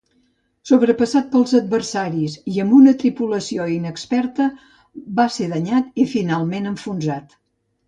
Sobrepassat pels adversaris i amb una tripulació inexperta va ser danyat i finalment enfonsat.